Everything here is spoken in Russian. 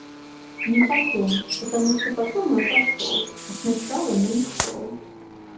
Не потом, потому что потом он отошёл, а сначала не ушёл.